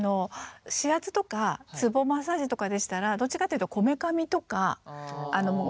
指圧とかツボマッサージとかでしたらどっちかっていうとこめかみとか眉毛とか。